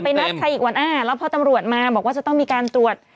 นัดใครอีกวันอ่าแล้วพอตำรวจมาบอกว่าจะต้องมีการตรวจ